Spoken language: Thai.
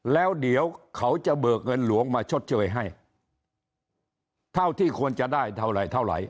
แล้วเดี๋ยวเขาจะเบิกเงินหลวงมาชดเชยให้เท่าที่ควรจะได้เท่าไหร่เท่าไหร่